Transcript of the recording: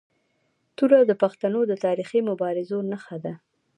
توره د پښتنو د تاریخي مبارزو نښه ده.